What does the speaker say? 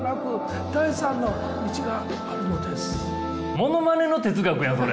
ものまねの哲学やん！